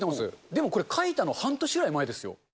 でもこれ、書いたの半年ぐらい前ですよ。